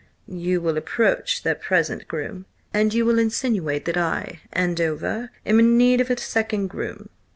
"You will approach their present groom, and you will insinuate that I, Andover, am in need of a second groom.